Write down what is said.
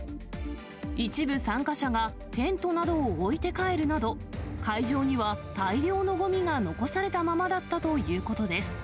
一部参加者がテントなどを置いて帰るなど、会場には大量のごみが残されたままだったということです。